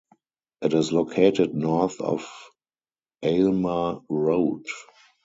It is located north of Aylmer Road.